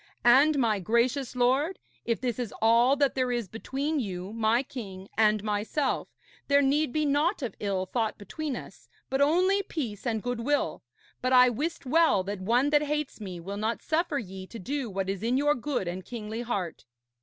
And, my gracious lord, if this is all that there is between you, my king, and myself, there need be naught of ill thought between us, but only peace and goodwill. But I wist well that one that hates me will not suffer ye to do what is in your good and kingly heart.'